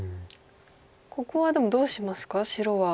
ここはでもどうしますか白は。